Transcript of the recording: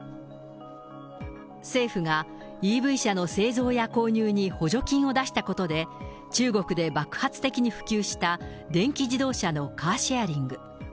政府がＥＶ車の製造や購入に補助金を出したことで、中国で爆発的に普及した電気自動車のカーシェアリング。